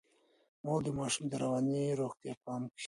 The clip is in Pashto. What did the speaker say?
مور د ماشومانو د رواني روغتیا پام کوي.